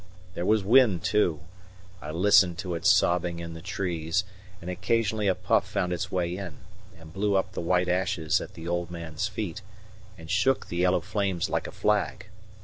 There was wind, too; I listened to it sobbing in the trees, and occasionally a puff found its way in, and blew up the white ashes at the old man's feet, and shook the yellow flames like a flag.